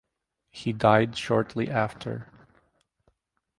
He died shortly after.